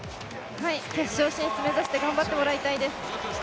決勝進出目指して頑張ってもらいたいです。